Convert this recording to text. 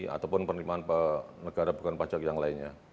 ataupun penerimaan negara bukan pajak yang lainnya